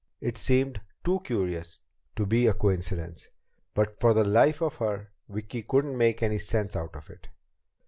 It seemed too curious to be a coincidence, but for the life of her, Vicki couldn't make any sense out of it.